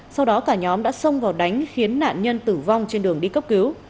sau đó cả nhóm đã xông vào đánh khiến nạn nhân tử vong trên đường đi cấp cứu